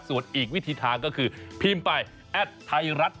ส่วนอีกวิธีทางก็คือพิมพ์ไปแอดไทยรัฐ